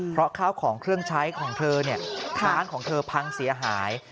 เพราะข้าวของเครื่องใช้ของเธอเนี่ยร้านของเธอพังเสียหาย